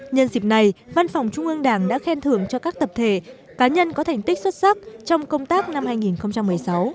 nhân dịp này văn phòng trung ương đảng đã khen thưởng cho các tập thể cá nhân có thành tích xuất sắc trong công tác năm hai nghìn một mươi sáu